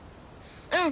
うん。